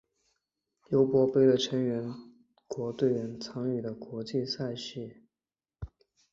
尤伯杯的成员国团队参与的国际羽毛球赛事。